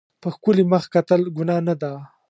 په ښکلي مخ کتل ګناه نه ده.